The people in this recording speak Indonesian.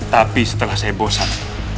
tapi setelah saya bosan